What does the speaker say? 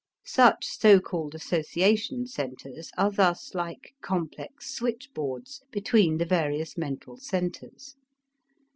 Such so called association centers are thus like complex switchboards between the various mental centers.